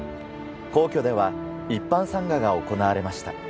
皇居では一般参賀が行われました。